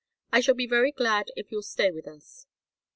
I shall be very glad if you'll stay with us.